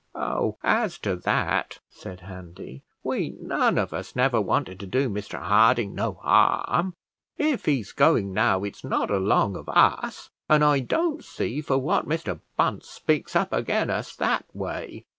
"Oh, as to that," said Handy, "we none of us never wanted to do Mr Harding no harm; if he's going now, it's not along of us; and I don't see for what Mr Bunce speaks up agen us that way."